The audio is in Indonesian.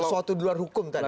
sesuatu di luar hukum tadi